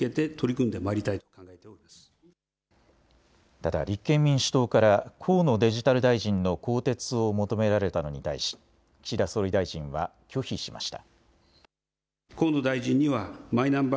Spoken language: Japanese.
ただ立憲民主党から河野デジタル大臣の更迭を求められたのに対し岸田総理大臣は拒否しました。